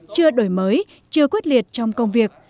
chưa đổi mới chưa quyết liệt trong công việc